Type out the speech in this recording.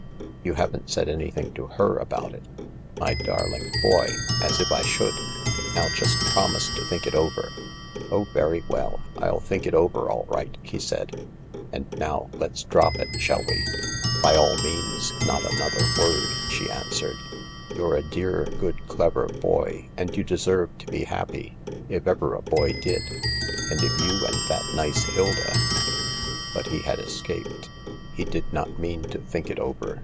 " You haven't said anything to her about it ?"" My darling boy ! As if I should ! Now just promise to think it over," " Oh, very well, I'll think it over all right/' he said. " And now let's drop it, shall we ?"" By all means — not another word !" she answered. " You're a dear, good, clever boy, and you deserve to be happy, if ever a boy did, and if you and that nice Hilda ../' But he had escaped. He did not mean to think it over.